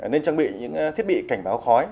nên trang bị những thiết bị cảnh báo khói